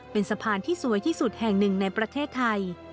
เป็นสะพานที่สวยที่สุดแห่งหนึ่งในประเทศไทย